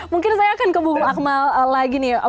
mungkin saya akan ke bung akmal lagi nih ya